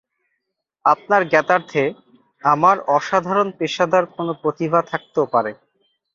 আপনার জ্ঞাতার্থে, আমার অসাধারণ পেশাদার কোন প্রতিভা থাকতেও পারে।